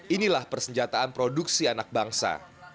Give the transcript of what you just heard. inilah persenjataan produksi anak bangsa